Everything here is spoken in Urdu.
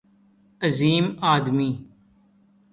عظیم آدمی